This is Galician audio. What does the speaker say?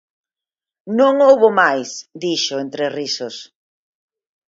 Non houbo máis, dixo entre risos.